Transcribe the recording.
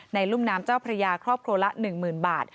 รุ่มน้ำเจ้าพระยาครอบครัวละ๑๐๐๐บาท